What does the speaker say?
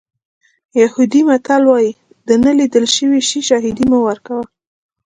یهودي متل وایي د نه لیدل شوي شي شاهدي مه ورکوه.